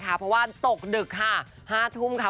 เพราะว่าตกดึกค่ะ๕ทุ่มค่ะ